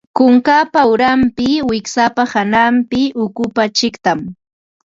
Kunkapa uranpi, wiksapa hanayninpi ukupa chiqtan